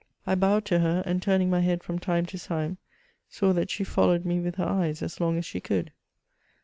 I bowed to her, and, tuiiiing my head from time to time« saw that she followed me with her eyes as long as she could.''